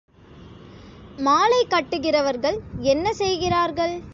மாலை கட்டுகிறவர்கள் என்ன செய்கிறார்கள்?